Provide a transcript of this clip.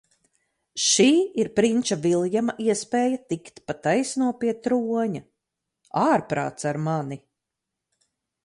Šī ir prinča Viljama iespēja tikt pa taisno pie troņa. Ārprāts ar mani.